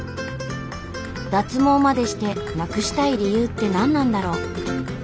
脱毛までしてなくしたい理由って何なんだろう？